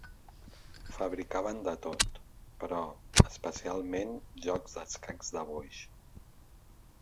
Fabricaven de tot, però especialment jocs d'escacs de boix.